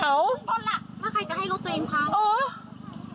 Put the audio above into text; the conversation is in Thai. ถ้าใครจะให้รถตัวเองครับ